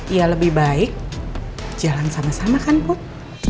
ya lebih baik jalan sama sama kan bud